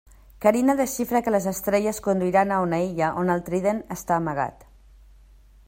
Carina desxifra que les estrelles conduiran a una illa on el Trident està amagat.